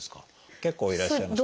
結構いらっしゃいます。